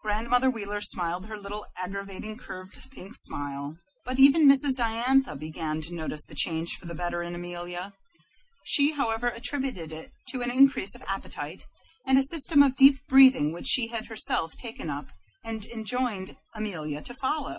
Grandmother Wheeler smiled her little, aggravating, curved, pink smile. But even Mrs. Diantha began to notice the change for the better in Amelia. She, however, attributed it to an increase of appetite and a system of deep breathing which she had herself taken up and enjoined Amelia to follow.